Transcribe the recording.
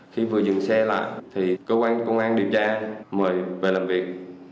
khi vừa dừng xe lại thì cơ quan công an điều tra mời về làm việc